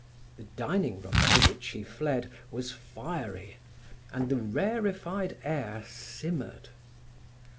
The dining room, to which he fled, was fiery, and the rarefied air simmered.